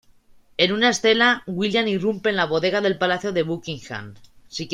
En una escena, William irrumpe en la bodega del Palacio de Buckingham.